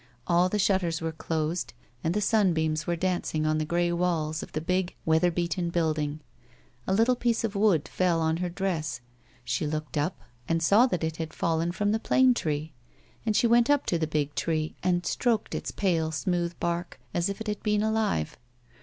All the shutters were closed, and the sunbeams were dancing on the grey walls of the big, weather beaten building. A little piece of wood fell on her dress, she looked up and saw that it had fallen from the plane tree, and she went up to the big tree and stroked its pale, smooth bark as if it had been alive.